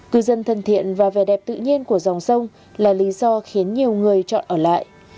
cư dân thân thiện và vẻ đẹp tự nhiên của dòng sông là lý do khiến nhiều người chọn ở lại